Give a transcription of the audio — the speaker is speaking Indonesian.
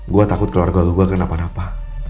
gue takut keluarga gue kena apa apa